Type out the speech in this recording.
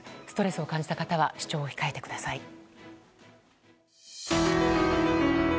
ストレスを感じた方は視聴を控えてください。